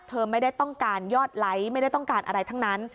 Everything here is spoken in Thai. เธอไม่ได้ต้องการยอดไลค์ไม่ได้ต้องการอะไรทั้งนั้น